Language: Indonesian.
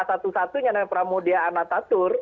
satu satunya pramodya anatatur